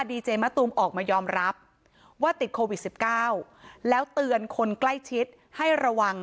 ดีเจมะตูมออกมายอมรับว่าติดโควิด๑๙แล้วเตือนคนใกล้ชิดให้ระวัง